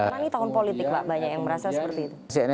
karena ini tahun politik pak banyak yang merasa seperti itu